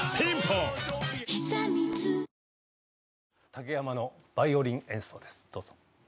竹山のヴァイオリン演奏ですどうぞ。